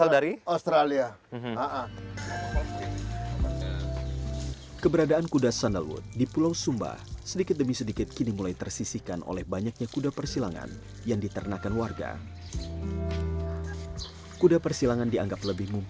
dan nieit indonesia untuk pendirian kuda sandal